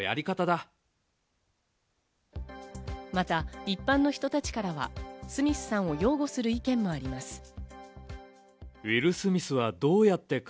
また一般の人たちからはスミスさんを擁護する意見もあります。